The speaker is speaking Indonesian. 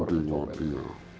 ya penting banget ya